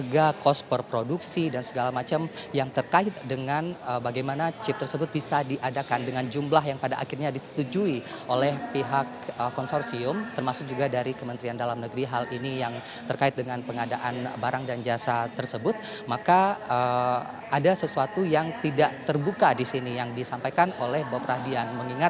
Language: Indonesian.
fakultas ilmu komputer universitas indonesia fakultas ilmu komputer universitas indonesia